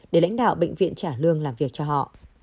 để lãnh đạo bệnh viện trả lương làm việc cho họ